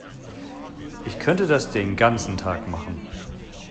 Ich könnte das den ganzen Tag machen.